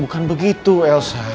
bukan begitu elsa